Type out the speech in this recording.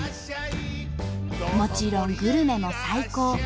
もちろんグルメも最高。